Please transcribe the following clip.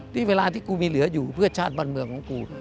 นี่เวลาที่กูมีเหลืออยู่เพื่อชาติบ้านเมืองของกู